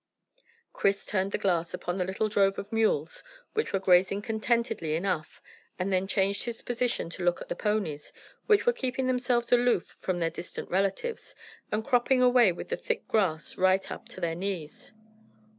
Chris turned the glass upon the little drove of mules, which were grazing contentedly enough, and then changed his position to look at the ponies, which were keeping themselves aloof from their distant relatives, and cropping away with the thick grass right up to their knees.